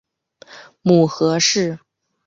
母何氏。